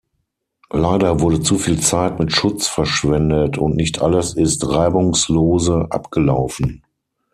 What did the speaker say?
Leider wurde zuviel Zeit mit Schutz verschwendet, und nicht alles ist reibungslose abgelaufen.